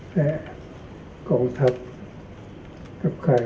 และกองทัศน์กับความรัก